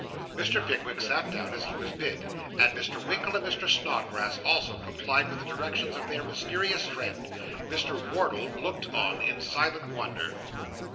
Mr. Pickwick sat down as he was bid, and Mr. Winkle and Mr. Snodgrass also complied with the directions of their mysterious friend. Mr. Wardle looked on in silent wonder.